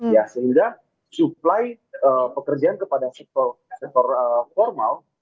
ya sehingga supply pekerjaan kepada sektor formal